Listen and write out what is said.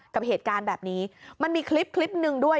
กับเหตุการณ์แบบนี้มันมีคลิปคลิปหนึ่งด้วย